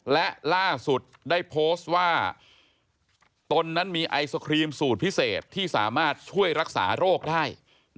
และล่าสุดได้โพสต์ว่าตนนั้นมีไอศครีมสูตรพิเศษที่สามารถช่วยรักษาโรคได้